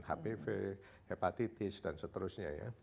hpv hepatitis dan seterusnya ya